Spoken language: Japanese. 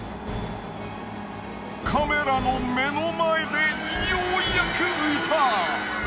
カメラの目の前でようやく浮いた！